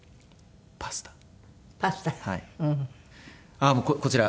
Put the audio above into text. あっもうこちら。